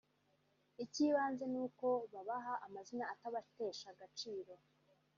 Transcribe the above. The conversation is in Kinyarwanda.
ikibanze ni uko babaha amazina atabatesha agaciro